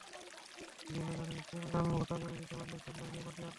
গেইলও জানেন, স্টেইন-গান ভোঁতা করে দিতে পারলে চোট লাগে প্রোটিয়া আত্মবিশ্বাসে।